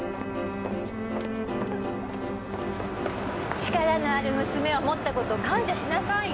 力のある娘を持ったことを感謝しなさいよ。